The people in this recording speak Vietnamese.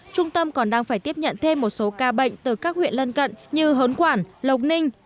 trung tâm còn đang phải tiếp nhận thêm một số ca bệnh từ các huyện lân cận như hớn quản lộc ninh